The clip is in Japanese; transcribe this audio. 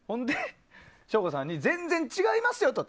省吾さんに全然違いますよと。